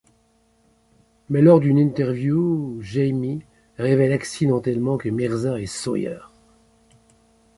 Mais lors d’une interview, Jaimie révèle accidentellement que Mirza est Sawyer.